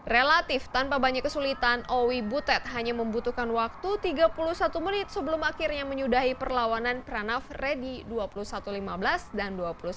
relatif tanpa banyak kesulitan owi butet hanya membutuhkan waktu tiga puluh satu menit sebelum akhirnya menyudahi perlawanan pranav redi dua puluh satu lima belas dan dua puluh satu sembilan belas